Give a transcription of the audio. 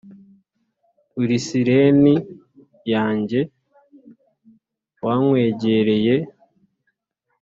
"uri siren yanjye, wankwegereye